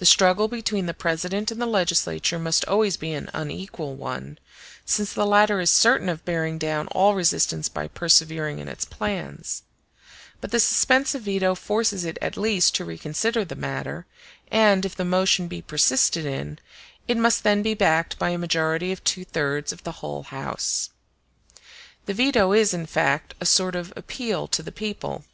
The struggle between the President and the legislature must always be an unequal one, since the latter is certain of bearing down all resistance by persevering in its plans; but the suspensive veto forces it at least to reconsider the matter, and, if the motion be persisted in, it must then be backed by a majority of two thirds of the whole house. The veto is, in fact, a sort of appeal to the people.